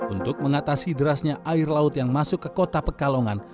untuk mengatasi derasnya air laut yang masuk ke kota pekalongan